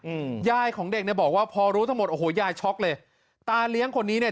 อืมยายของเด็กเนี่ยบอกว่าพอรู้ทั้งหมดโอ้โหยายช็อกเลยตาเลี้ยงคนนี้เนี่ย